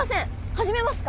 始めますか。